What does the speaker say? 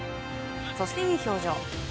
そしていい表情。